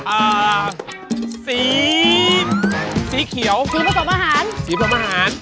อ่าสีสีเขียวคือผสมอาหารสีผสมอาหาร